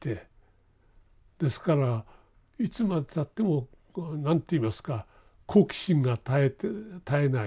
ですからいつまでたっても何と言いますか好奇心が絶えない。